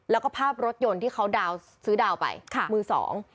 แล้วก็ภาพรถยนต์ที่เขาดาวนซื้อดาวไปค่ะมือสอง